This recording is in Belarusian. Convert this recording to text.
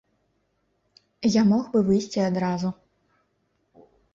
Я мог бы выйсці адразу.